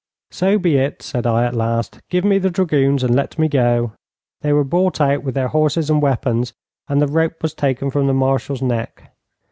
'So be it,' said I at last; 'give me the dragoons and let me go.' They were brought out with their horses and weapons, and the rope was taken from the Marshal's neck.